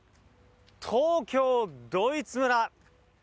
東京ドイツ村。